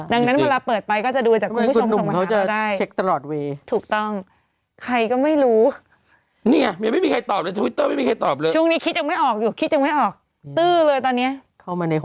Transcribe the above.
ดังนั้นเวลาเปิดไปก็จะดูจากคุณผู้ชมส่งมา